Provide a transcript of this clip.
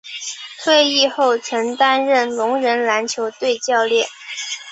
退役后曾担任聋人篮球队教练。